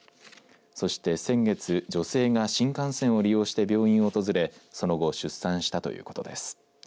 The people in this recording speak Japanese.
そして先月、女性が新幹線を利用して病院を訪れその後出産したということです。